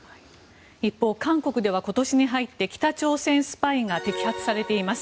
一方、韓国では今年に入って北朝鮮スパイが摘発されています。